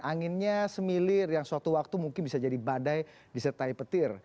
anginnya semilir yang suatu waktu mungkin bisa jadi badai disertai petir